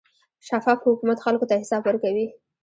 شفاف حکومت خلکو ته حساب ورکوي.